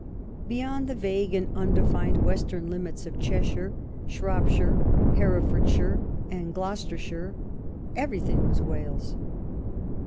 Beyond the vague and undefined western limits of Cheshire, Shropshire, Herefordshire, and Gloucestershire, every thing was Wales.